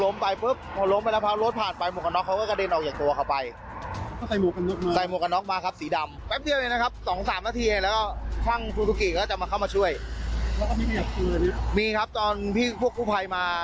มีครับตอนพี่พวกกู้ภัยมา